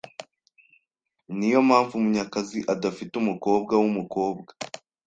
Niyo mpamvu Munyakazi adafite umukobwa wumukobwa.